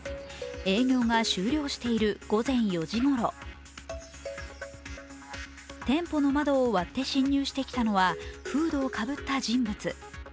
営業が終了している午前４時ごろ店舗の窓を割って侵入してきたのは、フードをかぶった人物。